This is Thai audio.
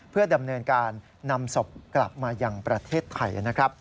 เพื่อดำเนินการนำศพกลับมามาอย่างประเทศไทย